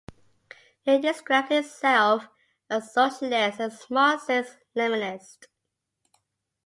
It describes itself as socialist and Marxist–Leninist.